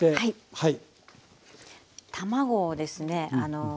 はい。